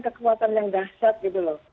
kekuatan yang dasar gitu loh